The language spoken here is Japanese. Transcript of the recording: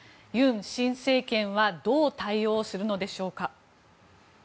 尹新政権はどう対応するのでしょうか。